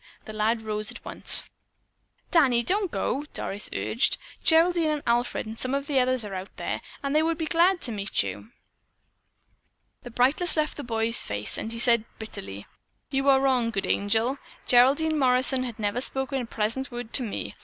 The lad rose at once. "Danny, don't go!" Doris urged. "Geraldine and Alfred and some of the others are out there, and they would be glad to meet you." The brightness left the boy's face, and he said bitterly, "You are wrong, Good Angel. Geraldine Morrison has never spoken a pleasant word to me.